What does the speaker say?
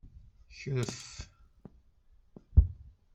Kref.